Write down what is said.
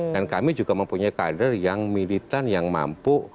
dan kami juga mempunyai kader yang militan yang mampu